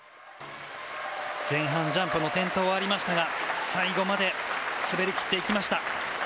前半、ジャンプの転倒がありましたが最後まで滑りきっていきました。